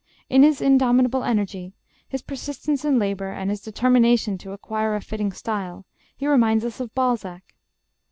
In his indomitable energy, his persistence in labor, and his determination to acquire a fitting style, he reminds us of Balzac.